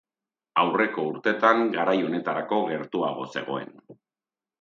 Aurreko urteetan garai honetarako gertuago zegoen.